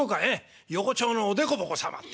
横町のおでこぼこ様ってんでね。